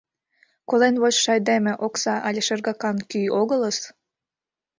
Колен вочшо айдеме окса але шергакан кӱ огылыс?»